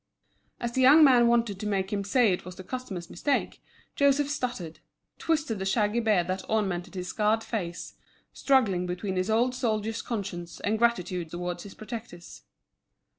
As the young man wanted to make him say it was the customer's mistake, Joseph stuttered, twisted the shaggy beard that ornamented his scarred face, struggling between his old soldier's conscience and gratitude towards his protectors.